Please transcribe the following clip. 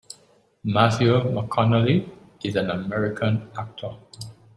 Matthew McConaughey is an American actor.